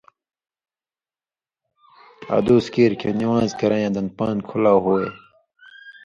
ادُوس کیریۡ کھیں نِوان٘ز کرَیں یاں دَن پان٘د کھلاؤ ہویے۔